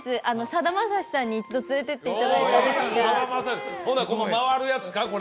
さだまさしさんに一度連れていっていただいたときが回るやつ！